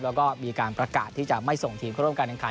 แล้วก็มีการประกาศที่จะไม่ส่งทีมเข้าร่วมการแข่งขัน